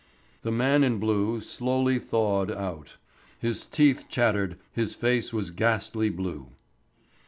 The man in blue slowly thawed out. His teeth chattered, his face was ghastly blue.